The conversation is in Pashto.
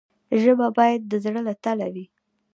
ژبه باید د زړه له تله وي.